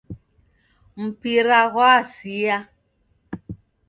Mpira ghwasia